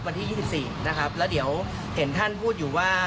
วันที่๒๔นะครับแล้วเดี๋ยวเห็นท่านพูดอยู่ว่า